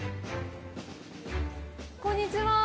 こんにちは。